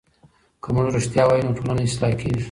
که موږ رښتیا وایو نو ټولنه اصلاح کېږي.